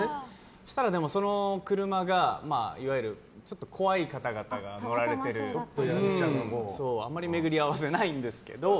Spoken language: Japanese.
そうしたら、その車がいわゆる怖い方々が乗られているあまり巡り合わせはないんですけど。